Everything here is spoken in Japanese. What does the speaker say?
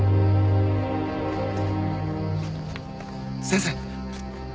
先生。